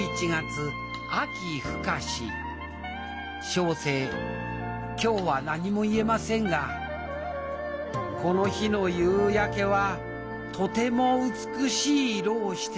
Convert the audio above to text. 小生今日は何も言えませんがこの日の夕焼けはとても美しい色をしておりました